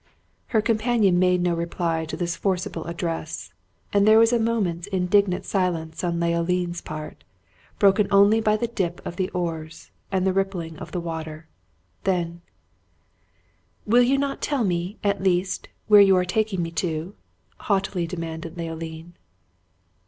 Her companion made no reply to this forcible address, and there was a moment's indignant silence on Leoline's part, broken only by the dip of the oars, and the rippling of the water. Then, "Will you not tell me, at least, where you are taking me to?" haughtily demanded Leoline.